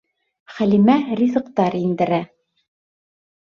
Хәлимә ризыҡтар индерә.